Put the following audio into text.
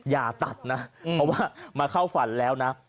อย่าตัดนะเพราะว่ามาเข้าฝันแล้วนะ